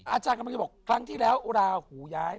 อาจารย์กลับมากที่บอกครั้งที่แล้วลาหูย้าย